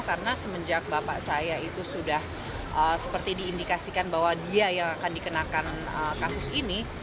karena semenjak bapak saya itu sudah seperti diindikasikan bahwa dia yang akan dikenakan kasus ini